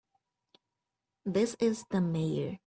This is the Mayor.